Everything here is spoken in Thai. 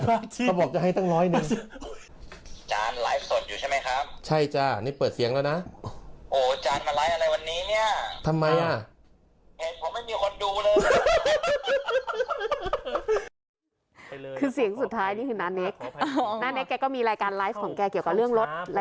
พระอาจารย์เขาบอกจะให้มาเค้าบอกจะให้ตั้งร้อยหนึ่ง